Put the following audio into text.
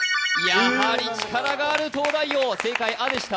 やはり力がある東大王、正解はアでした。